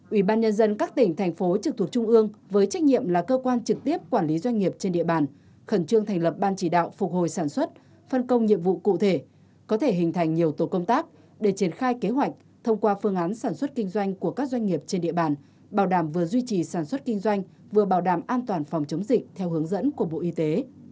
hai ủy ban nhân dân các tỉnh thành phố trực thuộc trung ương với trách nhiệm là cơ quan trực tiếp quản lý doanh nghiệp trên địa bàn khẩn trương thành lập ban chỉ đạo phục hồi sản xuất phân công nhiệm vụ cụ thể có thể hình thành nhiều tổ công tác để triển khai kế hoạch thông qua phương án sản xuất kinh doanh của các doanh nghiệp trên địa bàn bảo đảm vừa duy trì sản xuất kinh doanh vừa bảo đảm an toàn phòng chống dịch theo hướng dẫn của bộ y tế